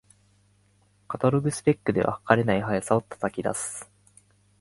カタログスペックでは、はかれない速さを叩き出す